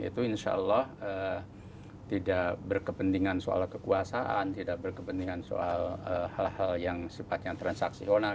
itu insya allah tidak berkepentingan soal kekuasaan tidak berkepentingan soal hal hal yang sifatnya transaksional